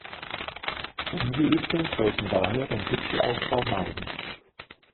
Ungeübte sollten daher den Gipfelaufbau meiden.